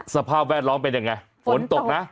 สภาพแวดล้อมเป็นยังไงฝนตกนะ